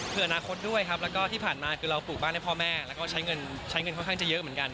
เพื่ออนาคตด้วยครับแล้วก็ที่ผ่านมาคือเราปลูกบ้านให้พ่อแม่แล้วก็ใช้เงินค่อนข้างจะเยอะเหมือนกัน